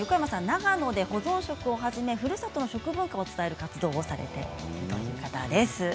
長野での保存食をはじめふるさとの食文化を伝える活動をされている方です。